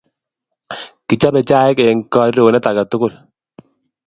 Kichopei chaik eng karironet age tugul